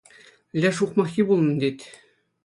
Леш ухмаххи пулнӑ, тет.